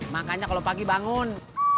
makanya kalau pagi bangun